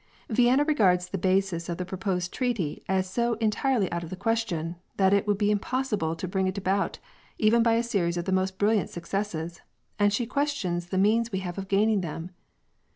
" Vienna regards the basis of the proposed treaty as so en tirely out of the question that it would be impossible to bring it about even by a series of the most brilliant successes, and she questions the means we have of gaining them.